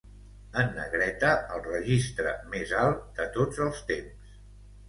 En negreta el registre més alt de tots els temps.